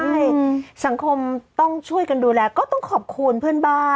ใช่สังคมต้องช่วยกันดูแลก็ต้องขอบคุณเพื่อนบ้าน